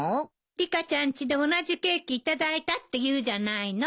リカちゃんちで同じケーキ頂いたっていうじゃないの。